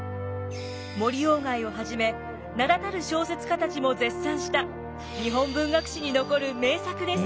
森鴎外をはじめ名だたる小説家たちも絶賛した日本文学史に残る名作です。